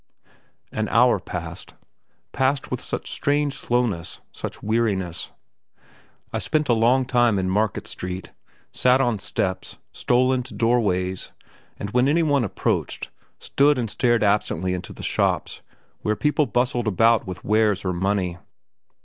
An hour passed; passed with such strange slowness, such weariness. I spent a long time in Market Street; sat on steps, stole into doorways, and when any one approached, stood and stared absently into the shops where people bustled about with wares or money.